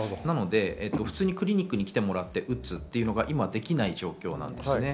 普通にクリニックに来てもらって打つっていうのが今できない状況なんですね。